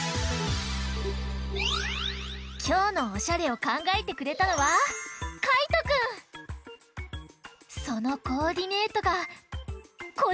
きょうのおしゃれをかんがえてくれたのはそのコーディネートがこちら！